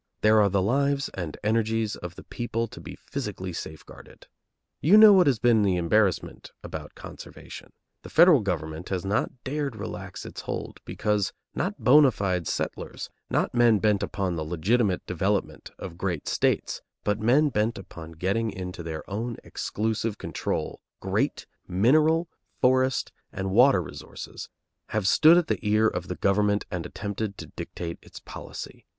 There are the lives and energies of the people to be physically safeguarded. You know what has been the embarrassment about conservation. The federal government has not dared relax its hold, because, not bona fide settlers, not men bent upon the legitimate development of great states, but men bent upon getting into their own exclusive control great mineral, forest, and water resources, have stood at the ear of the government and attempted to dictate its policy.